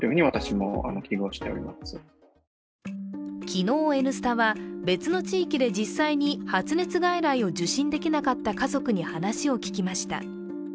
昨日「Ｎスタ」は、別の地域で実際に発熱外来を受診できなかった家族に話を聞きました。